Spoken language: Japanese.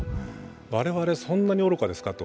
我々、そんなにおろかですか？と。